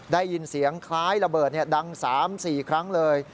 ได้ยินเสียงคล้ายระเบิดดัง๓๔ครั้งเลย